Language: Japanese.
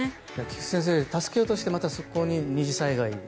菊地先生、助けようとしてまたそこで２次災害に